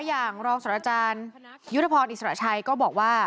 อย่างรองสรรจารยุทธพรอิสระชัยก็บอกว่า